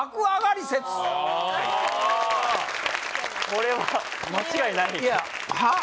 これは間違いないですいやはあ？